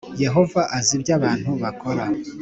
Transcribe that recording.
Yehova azi ibyo abantu bakora